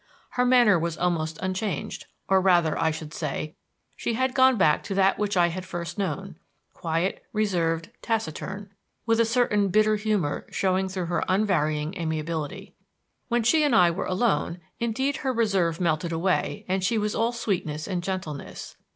Her manner was almost unchanged; or rather, I should say, she had gone back to that which I had first known quiet, reserved, taciturn, with a certain bitter humor showing through her unvarying amiability. When she and I were alone, indeed, her reserve melted away and she was all sweetness and gentleness.